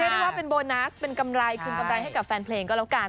เรียกว่าเป็นโบนัสเป็นกำไรคืนกำไรให้กับแฟนเพลงก็แล้วกัน